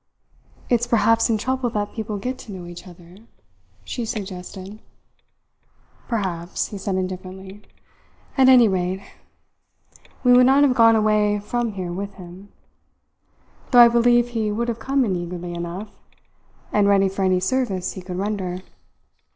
"It's perhaps in trouble that people get to know each other," she suggested. "Perhaps," he said indifferently. "At any rate, we would not have gone away from here with him; though I believe he would have come in eagerly enough, and ready for any service he could render.